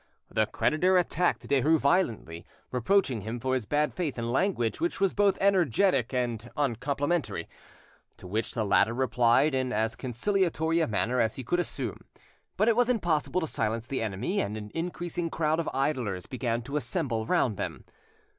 The creditor attacked Derues violently, reproaching him for his bad faith in language which was both energetic and uncomplimentary; to which the latter replied in as conciliatory a manner as he could assume. But it was impossible to silence the enemy, and an increasing crowd of idlers began to assemble round them.